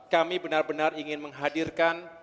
kami benar benar ingin menghadirkan